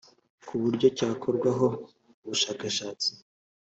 ku buryo cyakorwaho ubushakashatsi